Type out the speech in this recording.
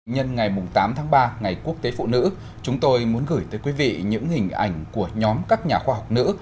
nhân ngày tám tháng ba ngày quốc tế phụ nữ chúng tôi muốn gửi tới quý vị những hình ảnh của nhóm các nhà khoa học nữ